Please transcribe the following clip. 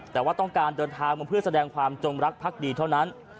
แต่ว่าต้องการเดินทางมาเพื่อแสดงความจงรักภักดีเท่านั้น